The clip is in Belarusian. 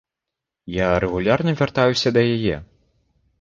Я рэгулярна вяртаюся да яе.